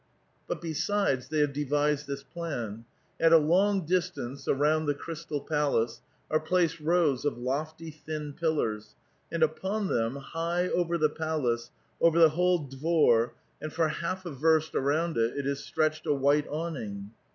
But besides, they have devised this plan : at a long dis tance, around the crystal palace, are placed rows of lofty, thin pillars, and upon them, high over the palace, over the whole dvor^ and for half a verst around it is stretched a white awning.